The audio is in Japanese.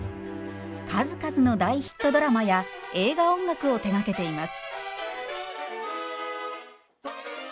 数々の大ヒットドラマや映画音楽を手がけています。